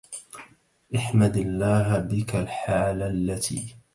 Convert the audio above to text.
أحمد الله بك الحال التي